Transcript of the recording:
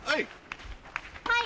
はい。